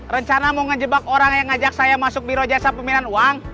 rencana mau ngejebak orang yang ngajak saya masuk biro jasa pemilihan uang